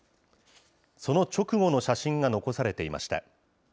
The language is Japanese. その直後の写真が残されていました。